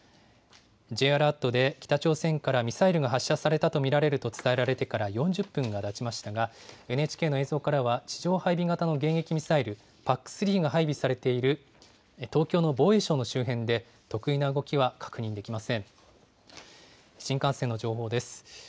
Ｊアラートで北朝鮮からミサイルが発射されたと見られると伝えられてから４０分がたちましたが、ＮＨＫの映像からは、地上配備型の迎撃ミサイル、ＰＡＣ３が配備されている東京の防衛省の周辺で特異な動きは確認できません。